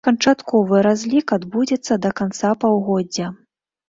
Канчатковы разлік адбудзецца да канца паўгоддзя.